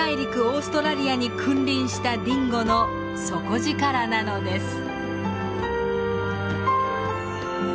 オーストラリアに君臨したディンゴの底力なのです。